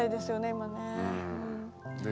今ね。